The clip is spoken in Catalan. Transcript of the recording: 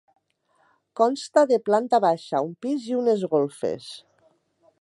Consta de planta baixa, un pis i unes golfes.